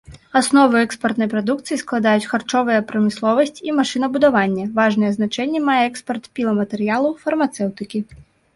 Аснову экспартнай прадукцыі складаюць харчовая прамысловасць і машынабудаванне, важнае значэнне мае экспарт піламатэрыялаў, фармацэўтыкі.